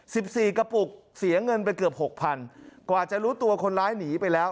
สิบสี่กระปุกเสียเงินไปเกือบหกพันกว่าจะรู้ตัวคนร้ายหนีไปแล้ว